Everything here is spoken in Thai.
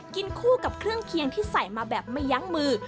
คู่กับเครื่องเคียงที่ใส่มาแบบไม่ยั้งมือ